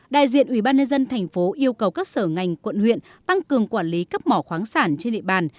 đại diện ủy ban nhân dân thành phố yêu cầu các sở ngành quận huyện tăng cường quản lý cấp mỏ khoáng sản trên địa bàn